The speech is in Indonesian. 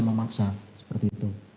memaksa seperti itu